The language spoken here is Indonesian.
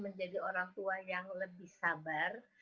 menjadi orang tua yang lebih sabar